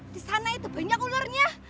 di sana itu banyak ularnya